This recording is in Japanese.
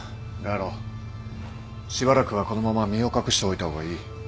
我路しばらくはこのまま身を隠しておいた方がいい。